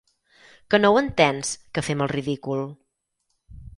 Que no ho entens, que fem el ridícul?